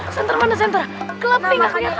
senter mana senter kelaping gak keliatan